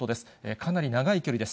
かなり長い距離です。